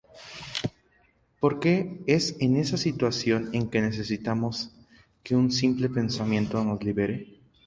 Porque es en esa situación en que necesitamos que un simple pensamiento nos libere.